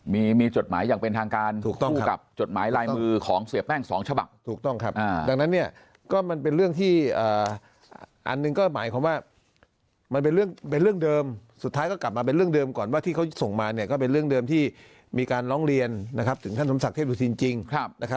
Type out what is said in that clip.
มีจดหมายอย่างเป็นทางการถูกต้องกับจดหมายลายมือของเสียแป้งสองฉบับถูกต้องครับดังนั้นก็มันเป็นเรื่องที่อันหนึ่งก็หมายความว่ามันเป็นเรื่องเดิมสุดท้ายก็กลับมาเป็นเรื่องเดิมก่อนว่าที่เขาส่งมาก็เป็นเรื่องเดิมที่มีการร้องเรียนถึงท่านสมศักดิ์เทพสุธินจริง